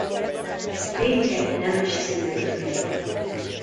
Székely nemes szülők fia.